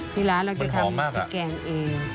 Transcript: ที่ร้านเราจะทำพริกแกงเอง